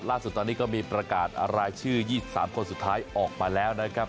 ล่าสุดตอนนี้ก็มีประกาศรายชื่อ๒๓คนสุดท้ายออกมาแล้วนะครับ